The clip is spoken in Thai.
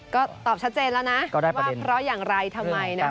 ก็ตอบชัดเจนแล้วนะก็ได้ประเด็นว่าเพราะอย่างไรทำไมนะคะ